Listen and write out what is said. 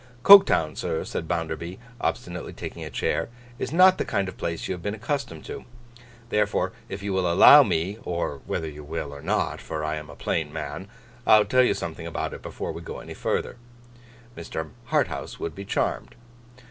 'Coketown, sir,' said Bounderby, obstinately taking a chair, 'is not the kind of place you have been accustomed to. Therefore, if you will allow me—or whether you will or not, for I am a plain man—I'll tell you something about it before we go any further.' Mr. Harthouse would be charmed.